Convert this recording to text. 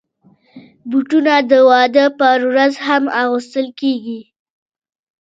بوټونه د واده پر ورځ هم اغوستل کېږي.